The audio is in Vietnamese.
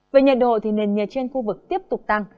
về nhiệt độ thì nền nhiệt trên khu vực tiếp tục tăng